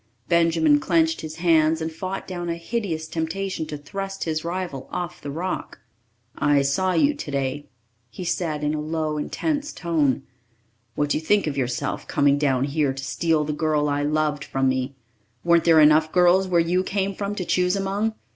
Benjamin clenched his hands and fought down a hideous temptation to thrust his rival off the rock. "I saw you today," he said in a low, intense tone. "What do you think of yourself, coming down here to steal the girl I loved from me? Weren't there enough girls where you came from to choose among?